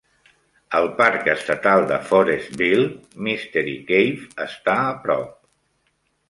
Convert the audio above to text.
El parc estatal de Forestville Mystery Cave està a prop.